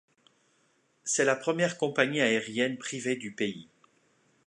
C'est la première compagnie aérienne privée du pays.